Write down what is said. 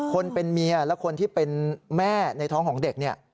คนเป็นเมียและคนที่เป็นแม่ในท้องของเด็กเนี่ย